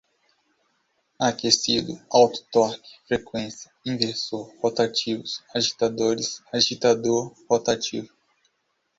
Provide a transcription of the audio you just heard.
aquecido, alto torque, frequência, inversor, rotativos, agitadores, agitador, rotativo